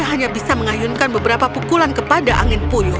tapi dia hanya bisa mengahyunkan beberapa pukulan kepada angin puyuh